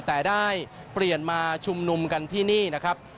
แต่ได้เปลี่ยนมาชุมนุมกันที่นี่นะครับ